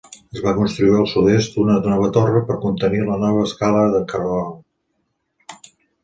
Es va construir, al sud-est, una nova torre per contenir la nova escala de caragol.